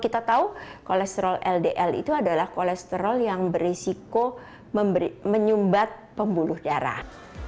kita tahu kolesterol ldl itu adalah kolesterol yang berisiko menyumbat pembuluh darah